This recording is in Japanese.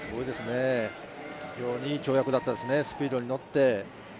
非常にいい跳躍だったですね、スピードに乗って。